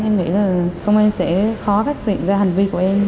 em nghĩ là công an sẽ khó cách truyện ra hành vi của em